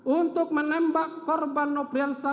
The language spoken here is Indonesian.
untuk menembak korban nopiansa